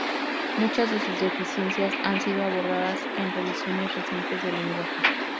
Muchas de sus deficiencias han sido abordadas en revisiones recientes del lenguaje.